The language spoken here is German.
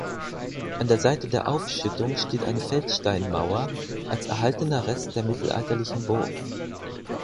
An der Seite der Aufschüttung steht eine Feldsteinmauer als erhaltener Rest der mittelalterlichen Burg.